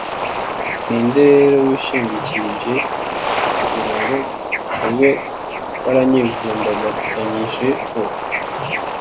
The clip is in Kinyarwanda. Ni nde rero wishingikirije kugira ngo ube waranyivumbagatanyijeho ?